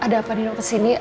ada apa nino kesini